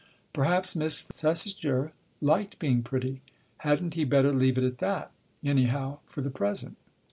Perhaps Miss Thesiger liked being pretty. Hadn't he better leave it at that, anyhow, for the present